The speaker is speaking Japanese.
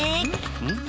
うん？